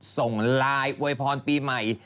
ส่งไลน์อวยพรปีใหม่